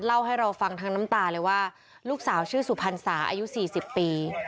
เล่าให้เราฟังทั้งน้ำตาเลยว่าลูกสาวชื่อสุพรรษาอายุ๔๐ปี